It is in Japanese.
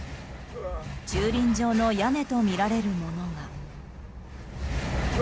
駐輪場の屋根とみられるものが。